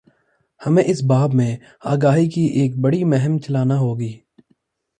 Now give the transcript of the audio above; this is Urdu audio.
ہمیں اس باب میں آگاہی کی ایک بڑی مہم چلانا ہو گی۔